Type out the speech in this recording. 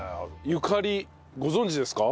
ゆかりご存じですか？